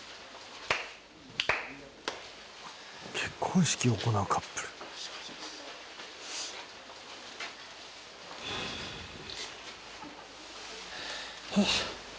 「結婚式を行うカップル」はあ。